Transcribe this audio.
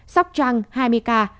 sóc trăng hai mươi ca